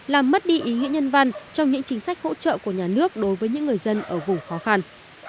làm mất đi ý nghĩa nhân văn trong những chính sách hỗ trợ của nhà nước đối với những người dân ở vùng khó khăn